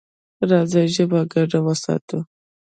راځئ ژبه ګډه وساتو.